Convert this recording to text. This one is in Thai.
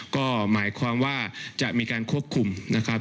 ก็หมายความว่าจะมีการควบคุมนะครับ